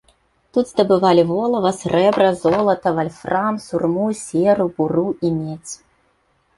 Тут здабывалі волава, срэбра, золата, вальфрам, сурму, серу, буру і медзь.